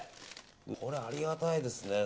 これありがたいですね。